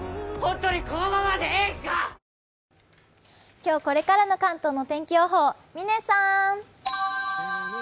今日これからの関東の天気予報、嶺さーん。